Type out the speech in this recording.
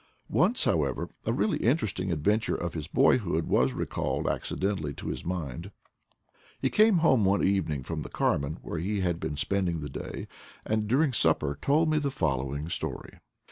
Once, however, a really interesting adventure of his boyhood was recalled accidentally to his mind. He came home one evening from the Carmen, where he had been spending the day, and during supper told me the following story.